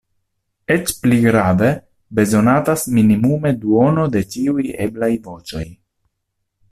Eĉ pli grave, bezonatas minimume duono de ĉiuj eblaj voĉoj.